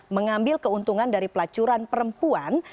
mengambil keuntungan dari pelacuran perempuan